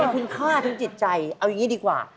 คุณค่าทั้งจิตใจเอาอย่างนี้ดีกว่า